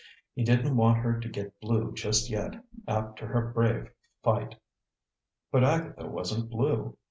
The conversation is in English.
He didn't want her to get blue just yet, after her brave fight. But Agatha wasn't blue.